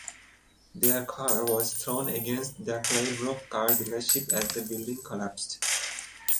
Their car was thrown against the Claybrook Car Dealership as the building collapsed.